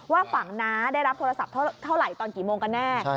ว่าฝั่งน้าได้รับโทรศัพท์เท่าไหร่ตอนกี่โมงกันแน่